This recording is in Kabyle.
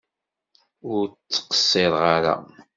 Ur ttqeṣṣireɣ ara!